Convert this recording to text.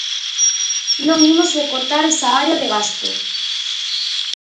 Non imos recortar esa área de gasto.